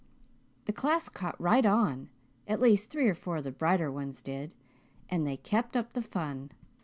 The class caught right on at least three or four of the brighter ones did and they kept up the fun.